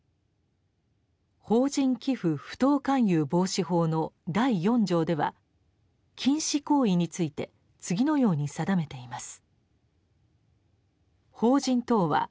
「法人寄附不当勧誘防止法」の第四条では禁止行為について次のように定めています。